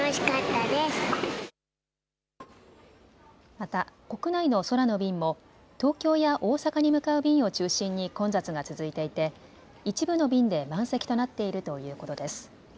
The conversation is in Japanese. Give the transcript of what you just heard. また国内の空の便も東京や大阪に向かう便を中心に混雑が続いていて一部の便で満席となっているということです。